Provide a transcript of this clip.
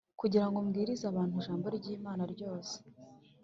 kugira ngo mbwirize abantu ijambo ry’Imana ryose